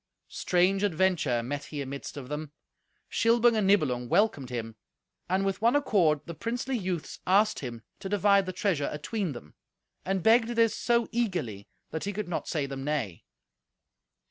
Strange adventure met he amidst of them. Shilbung and Nibelung welcomed him, and with one accord the princely youths asked him to divide the treasure atween them, and begged this so eagerly that he could not say them nay.